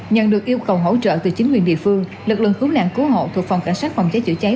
nhận được yêu cầu hỗ trợ từ chính quyền địa phương lực lượng cứu nạn cứu hộ thuộc phòng cảnh sát phòng cháy chữa cháy